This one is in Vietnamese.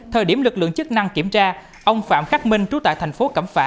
thời điểm lực lượng chức năng kiểm tra ông phạm khắc minh trú tại thành phố cẩm phả